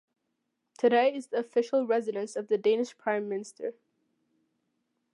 Today it is the official residence of the Danish Prime Minister.